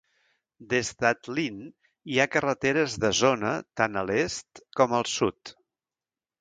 Des d'Atlin, hi ha carreteres de zona tant a l'est com al sud.